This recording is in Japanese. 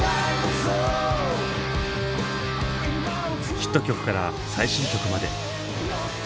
ヒット曲から最新曲まで。